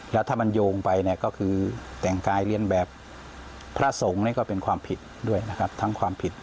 แล้วถ้ามันโยงไปก็คือแต่งกายเลียนแบบพระทรงก็เป็นความผิดด้วยนะครับ